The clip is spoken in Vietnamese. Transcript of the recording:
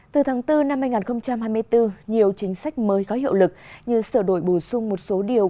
từ tháng bốn năm hai nghìn hai mươi bốn nhiều chính sách mới có hiệu lực như sửa đổi bổ sung một số điều